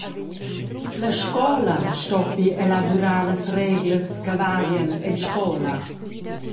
La scola stoppi elavurar las reglas che valien en scola.